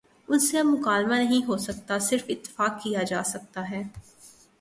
ان سے اب مکالمہ نہیں ہو سکتا صرف اتفاق کیا جا سکتا ہے۔